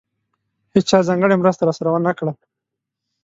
هېچا ځانګړې مرسته راسره ونه کړه.